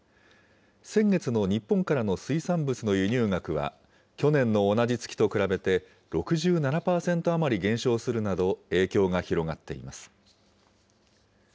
先月の日本からの水産物の輸入額は、去年の同じ月と比べて６７％余り減少するなど、影響が広がっています。